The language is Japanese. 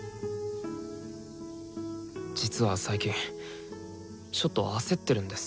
実は最近ちょっと焦ってるんです。